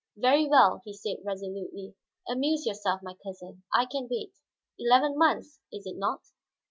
"Very well," he said resolutely. "Amuse yourself, my cousin; I can wait. Eleven months, is it not?"